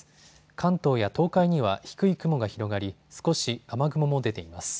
関東や東海には低い雲が広がり少し雨雲も出ています。